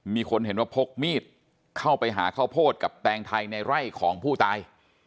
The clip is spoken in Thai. มีคนเห็นว่าพกมีดเข้าไปหาข้าวโพดกับแตงไทยในไร่ของผู้ตาย